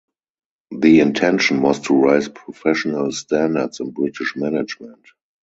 The intention was to raise professional standards in British management.